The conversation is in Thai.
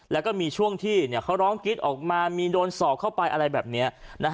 แล้วก็มีช่วงที่เขาร้องกรี๊ดออกมามีโดนสอกเข้าไปอะไรแบบนี้